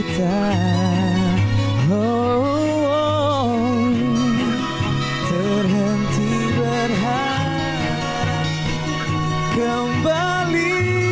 terhenti berharap kembali